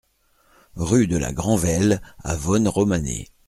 Rue de la Grand'Velle à Vosne-Romanée